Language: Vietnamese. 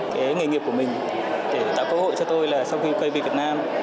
cái nghề nghiệp của mình để tạo cơ hội cho tôi là sau khi quay về việt nam